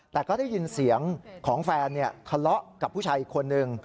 แต่ก็ได้ยินเสียงของแฟนทะเลาะกับผู้ชายอีกคนนึง